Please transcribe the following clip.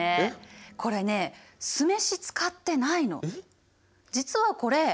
これね酢飯使ってないの。